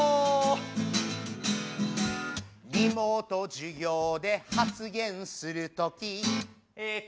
「リモート授業で発言する時」え